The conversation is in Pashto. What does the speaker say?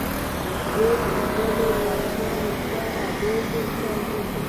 وزې د خپل بچي سره لوبې کوي